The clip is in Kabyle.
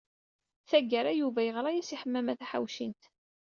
Tagara, Yuba yeɣra-as i Ḥemmama Taḥawcint.